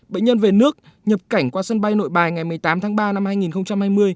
bệnh nhân về nước nhập cảnh qua sân bay nội bài ngày một mươi tám tháng ba năm hai nghìn hai mươi